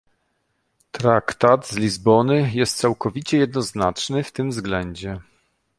Traktat z Lizbony jest całkowicie jednoznaczny w tym względzie